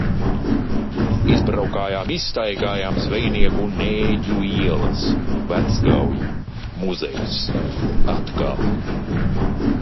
Izbraukājām, izstaigājām Zvejnieku un Nēģu ielas. Vecgauja. Muzejs. Atkal.